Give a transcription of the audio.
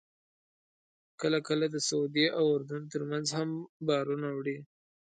کله کله د سعودي او اردن ترمنځ هم بارونه وړي.